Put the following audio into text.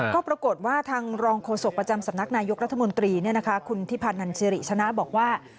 ก็ปรากฏว่าทางรองโฆษกประจำสำนักนายกรัฐมนตรีคุณทิพันธ์นันสิริชนะบอกว่า